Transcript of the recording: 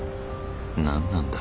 何なんだ？